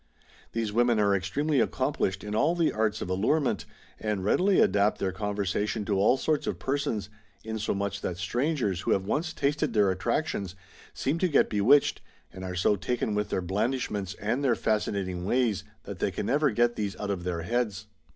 These women are extremely accomplished in all the arts of allurerrlent, and readily adapt their conversation to all sorts of persons, insomuch that strangers who have once tasted their attractions seem to get bewitched, and are so taken with their blandishments and their fascinating ways that they never can get these out of their heads.